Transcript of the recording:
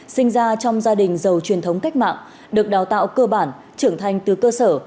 sinh ra trong gia đình giàu truyền thống cách mạng được đào tạo cơ bản trưởng thành từ cơ sở